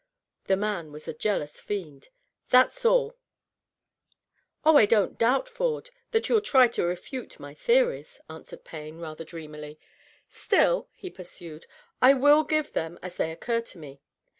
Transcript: The man was a jealous fiend. That^s all/' " Oh, I don't doubt, Ford, that you'll try to refute my theories,'* answered Payne, rather dreamily. " Still," he pursued, " I vM give them, as they occur to me.